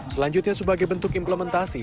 selanjutnya sebagai bentuk implementasi